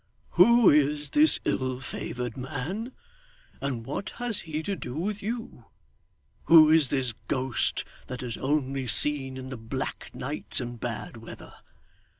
Who is this ill favoured man, and what has he to do with you? Who is this ghost, that is only seen in the black nights and bad weather?